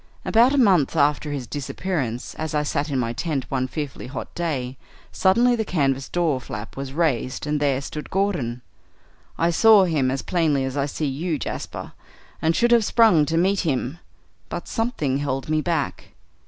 About a month after his disappearance, as I sat in my tent one fearfully hot day, suddenly the canvas door flap was raised and there stood Gordon. I saw him as plainly as I see you, Jasper, and should have sprung to meet him, but something held me back.